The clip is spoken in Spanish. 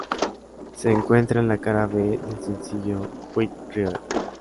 Se encuentra en la cara B del sencillo White Riot.